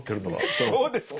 そうですか！？